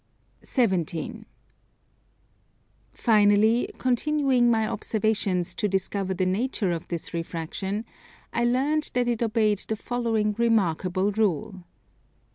17. Finally, continuing my observations to discover the nature of this refraction, I learned that it obeyed the following remarkable rule.